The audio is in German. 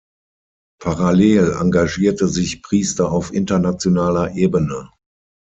Parallel engagierte sich Priester auf internationaler Ebene.